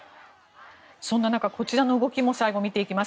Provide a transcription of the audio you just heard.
そんな中こちらの動きも見ていきます。